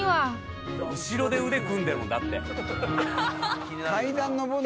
後ろで腕組んでるもんだって。